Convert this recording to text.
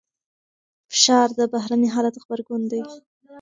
فشار د بهرني حالت غبرګون دی.